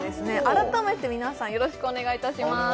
改めて皆さんよろしくお願いいたします